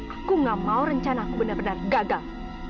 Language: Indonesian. aku nggak mau rencana benar benar gagal